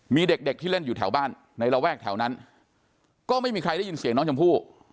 มีเด็กที่เล่นอยู่แถวบ้านในระแวกแถวนั้นก็ไม่มีใครได้ยินเสียงน้องชมพู่